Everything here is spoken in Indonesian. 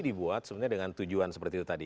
dibuat sebenarnya dengan tujuan seperti itu tadi